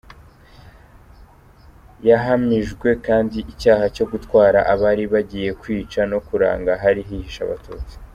Yahamijwe kandi icyaha cyo gutwara abari bagiye kwica, no kuranga ahari hihishe Abatutsi.